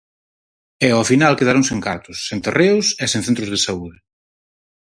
E ao final quedaron sen cartos, sen terreos e sen centros de saúde.